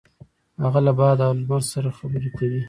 هغه له باد او لمر سره خبرې کوي.